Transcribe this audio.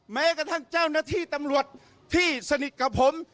แม้กระทั่งเจ้าหน้าที่ตำรวจที่สนิทกับผม